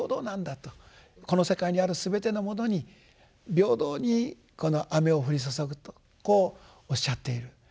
この世界にあるすべてのものに平等にこの雨を降り注ぐとこうおっしゃっている。